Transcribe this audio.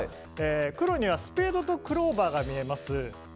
黒にはスペードとクローバーが見えます。